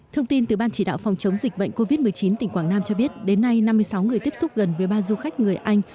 thông tin từ ban chỉ đạo phòng chống dịch bệnh covid một mươi chín tỉnh quảng nam cho biết đến nay năm mươi sáu người tiếp xúc gần với ba du khách người anh